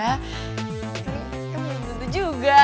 tapi kan belum tentu juga